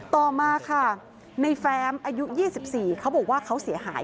ต่อมาค่ะในแฟมอายุ๒๔เขาบอกว่าเขาเสียหาย